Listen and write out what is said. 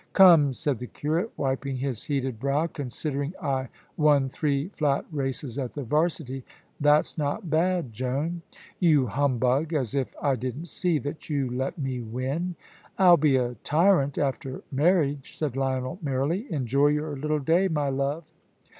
"Come," said the curate, wiping his heated brow, "considering I won three flat races at the 'varsity, that's not bad, Joan." "You humbug, as if I didn't see that you let me win. "I'll be a tyrant after marriage," said Lionel, merrily. "Enjoy your little day, my love!"